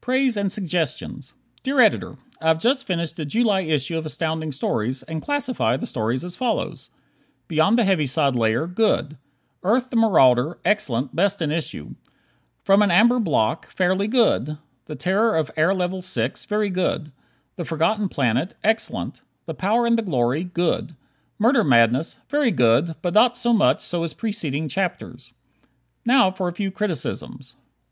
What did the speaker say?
Praise and Suggestions Dear Editor: I have just finished the July issue of Astounding Stories and classify the stories as follows: "Beyond the Heaviside Layer," good; "Earth, the Marauder," excellent, best in issue; "From an Amber Block," fairly good; "The Terror of Air Level Six," very good; "The Forgotten Planet," excellent; "The Power and the Glory," good; "Murder Madness," very good, but not so much so as preceding chapters. Now for a few criticisms: 1.